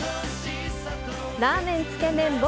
ラーメンつけ麺僕